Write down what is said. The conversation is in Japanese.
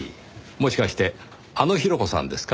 もしかしてあのヒロコさんですか？